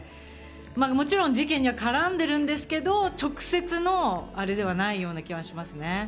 もちろん事件には絡んでるんですけど直接のあれではないような気がしますね。